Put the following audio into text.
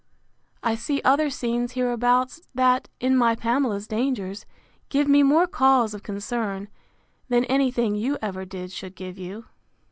I see other scenes hereabouts, that, in my Pamela's dangers, give me more cause of concern, than any thing you ever did should give you.